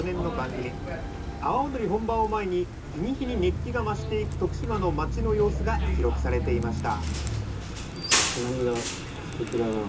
阿波踊り本番を前に日に日に熱気が増していく徳島の町の様子が記録されていました。